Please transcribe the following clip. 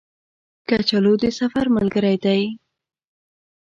کچالو د سفر ملګری دی